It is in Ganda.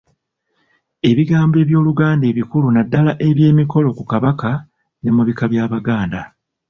Ebigambo by'Oluganda ebikulu naddala eby'emikolo ku Kabaka ne mu bika by'Abaganda.